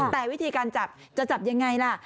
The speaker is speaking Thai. แต่วิธีการจับจะจับยังไงล่ะ